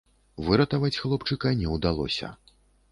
Выратаваць хлопчыка не ўдалося.